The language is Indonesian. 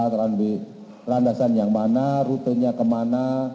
kemudian berdasarkan randasan yang mana rutenya kemana